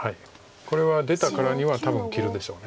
これは出たからには多分切るでしょう。